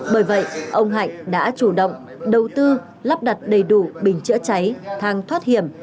bởi vậy ông hạnh đã chủ động đầu tư lắp đặt đầy đủ bình chữa cháy thang thoát hiểm